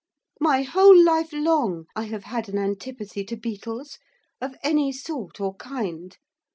My whole life long I have had an antipathy to beetles, of any sort or kind.